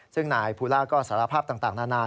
ซึ่งนายภูล่าก็สารภาพต่างนานา